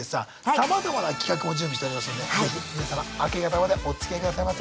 さまざまな企画も準備しておりますので是非皆様明け方までおつきあいくださいませ。